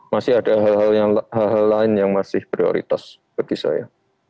masih ada hal hal lain yang masih prioritas bagi saya